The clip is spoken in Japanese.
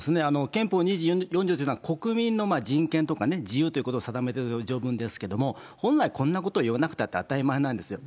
憲法２４条というのは、国民の人権とか自由ということを定めている条文ですけれども、本来、こんなこと言わなくたって当たり前なんですよ。